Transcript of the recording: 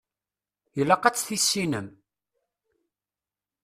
Ilaq ad tt-tissinem.